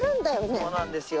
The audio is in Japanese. そうなんですよ。